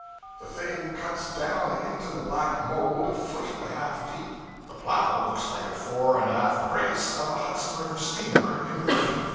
The thing cuts down into the black mold a foot and a half deep. The plow looks like a fore and aft brace of a Hudson river steamer, inverted.